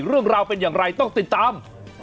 เรื่องราวเป็นอย่างไรต้องติดตาม